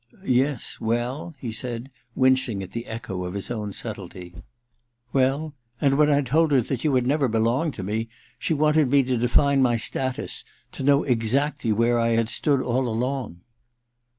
*Yes — well.^* he said, wincing at the echo of his own subtlety. *Well — and when I told her that you had never belonged to me, she wanted me to define my status — to know exactly where I had stood all along.